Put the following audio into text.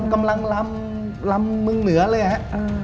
กำลังรำเมืองเหนือเลยอะ